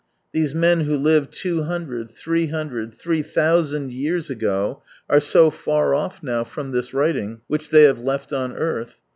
These men who lived two hundred, three hundred, three thousand years ago are so far off now from this writing which they have left on earth.